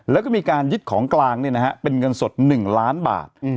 แล้วก็มีการยึดของกลางเป็นเงินสด๑ล้านบาท